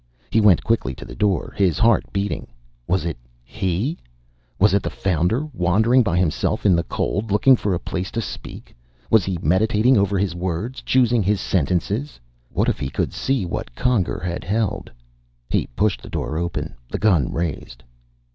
He went quickly to the door, his heart beating. Was it he? Was it the Founder, wandering by himself in the cold, looking for a place to speak? Was he meditating over his words, choosing his sentences? What if he could see what Conger had held! He pushed the door open, the gun raised.